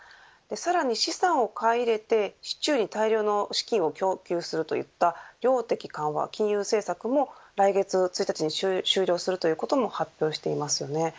さらに資産を買い入れて市中に大量の資金を供給するといった量的緩和金融政策も来月１日に終了することも発表しています。